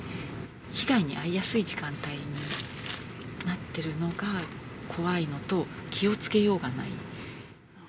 被害に遭いやすい時間帯になってるのが怖いのと、気をつけようがない。